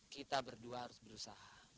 kita berdua harus berusaha